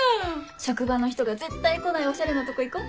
職場の人が絶対来ないおしゃれなとこ行こう。